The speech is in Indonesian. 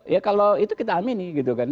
ya kalau itu kita amini gitu kan